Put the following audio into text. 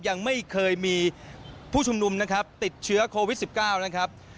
ยังไม่เคยมีผู้ชุมนุมนะครับติดเชื้อโควิด๑๙นะครับ